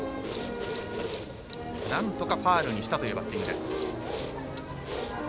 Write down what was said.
何とかファウルにしたというバッティングです。